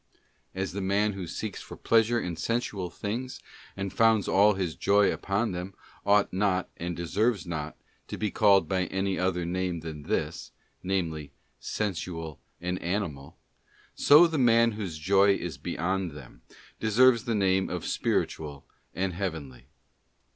As the man who seeks for pleasure in sensual things, and founds all his joy upon them, ought not, and deserves not, to be called by any other name than this, namely, sensual and animal; so the man whose joy is beyond them, deserves the name of spiritual and heavenly.